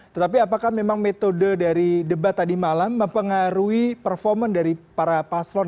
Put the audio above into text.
tetapi apakah memang metode dari debat tadi malam mempengaruhi performa dari para paslon